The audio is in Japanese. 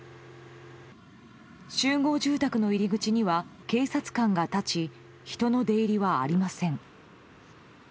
集合住宅の入り口には警察官が立ち人の出入りはありません。